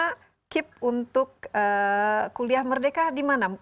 dan menerima kip untuk kuliah merdeka di mana